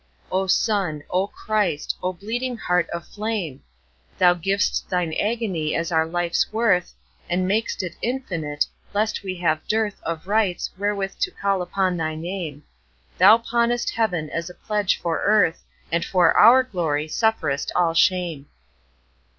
O Sun, O Christ, O bleeding Heart of flame! Thou giv'st Thine agony as our life's worth, And mak'st it infinite, lest we have dearthOf rights wherewith to call upon thy Name; Thou pawnest Heaven as a pledge for Earth, And for our glory sufferest all shame.